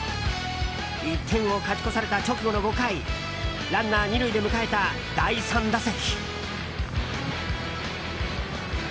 １点を勝ち越された直後の５回ランナー２塁で迎えた第３打席。